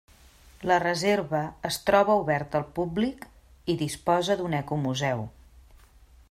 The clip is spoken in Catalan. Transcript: La reserva es troba oberta al públic i disposa d'un ecomuseu.